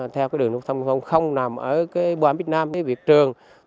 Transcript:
theo đường giao thông nông thôn không nằm ở quảng việt nam việt trường